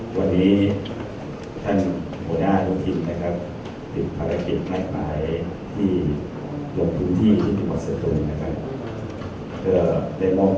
ตอนนี้พูดง่ายละแล้วอย่างข้อสินเราจะถึงประกอบเลข์นะครับ